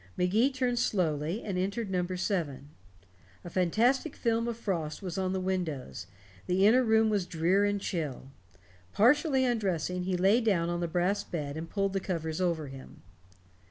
Magee turned slowly, and entered number seven. A fantastic film of frost was on the windows; the inner room was drear and chill. Partially undressing, he lay down on the brass bed and pulled the covers over him.